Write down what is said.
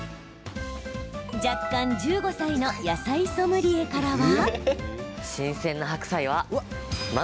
弱冠１５歳の野菜ソムリエからは。